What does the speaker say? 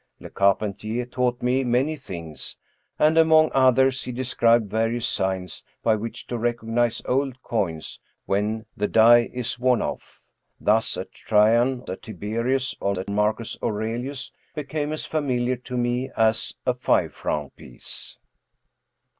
Le Car pentier taught me many things, and, among others, he de scribed various signs by which to recognize old coins when the die is worn off. Thus, a Trajan, a Tiberius, or a Mar cus Aurelius became as familiar to me as a five franc piece.